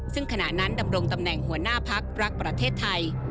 ซึ่งขณะนั้นดำรงตำแหน่งหัวหน้าพักรักประเทศไทย